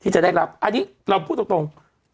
จะได้รับอันนี้เราพูดตรง